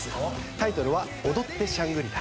タイトルは「踊って！シャングリラ」。